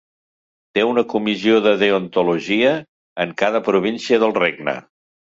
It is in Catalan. Té una comissió de deontologia en cada província del regne.